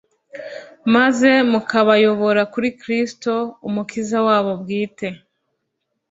maze mukabayobora kuri Kristo Umukiza wabo bwite,